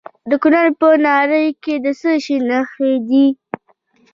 د کونړ په ناړۍ کې د څه شي نښې دي؟